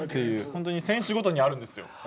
選手ごとにあるんですよ。